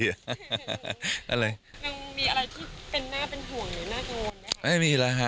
มีอะไรที่เป็นหน้าเป็นห่วงหรือหน้ากังวลไหมครับ